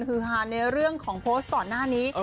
คือฮาในเรื่องของโพสต์ก่อนหน้านี้